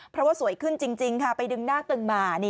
เพราะว่าสวยขึ้นจริงค่ะไปดึงหน้าตึงมา